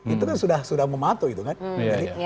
itu kan sudah mematok itu kan